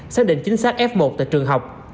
xác định chính xác f một tại trường học